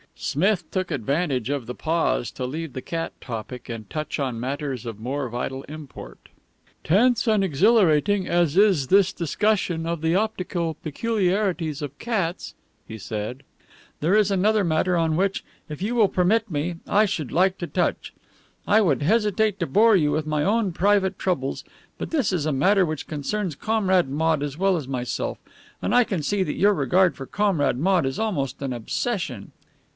Smith took advantage of the pause to leave the cat topic and touch on matters of more vital import. "Tense and exhilarating as is this discussion of the optical peculiarities of cats," he said, "there is another matter on which, if you will permit me, I should like to touch. I would hesitate to bore you with my own private troubles, but this is a matter which concerns Comrade Maude as well as myself, and I can see that your regard for Comrade Maude is almost an obsession."